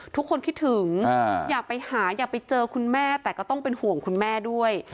ทุกคนคิดถึงอยากไปหาอยากไปเจอคุณแม่แต่ก็ต้องเป็นห่วงคุณแม่ด้วย